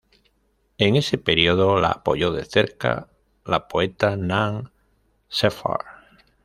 En ese período la apoyó de cerca la poeta Nan Shepherd.